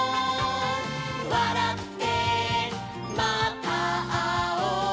「わらってまたあおう」